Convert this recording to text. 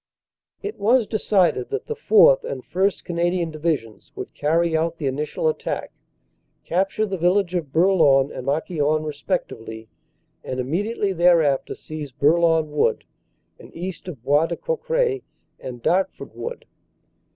"It was decided that the 4th. and 1st. Canadian Divisions would carry out the initial attack, capture the villages of THE PLAN OF ATTACK 203 Bourlon and Marquion respectively, and immediately there after seize Bourlon Wood and east of Bois de Cocret and Dartford Wood.